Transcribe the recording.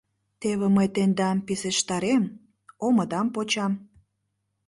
Теве мый тендам писештарем, омыдам почам!